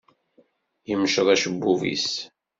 Yemceḍ acebbub-is.